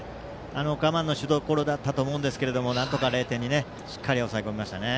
我慢のしどころだったと思いますがなんとか０点にしっかり抑え込みました。